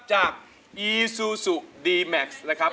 อีซูซูดีแม็กซ์นะครับ